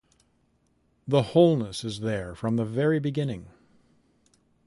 The wholeness is there, from the very beginning.